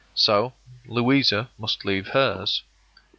So Louisa must leave hers.